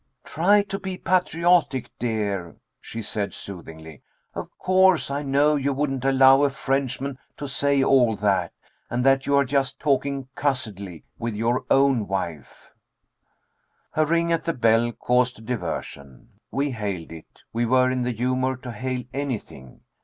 "Try and be patriotic, dear," she said soothingly. "Of course, I know you wouldn't allow a Frenchman to say all that, and that you are just talking cussedly with your own wife." A ring at the bell caused a diversion. We hailed it. We were in the humor to hail anything.